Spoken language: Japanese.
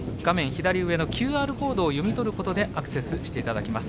左上のＱＲコードを読み取ることでアクセスしていただけます。